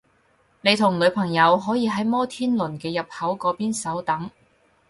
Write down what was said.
你同女朋友可以喺摩天輪嘅入口嗰邊稍等